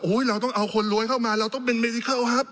เราต้องเอาคนรวยเข้ามาเราต้องเป็นเมซิเคิลครับ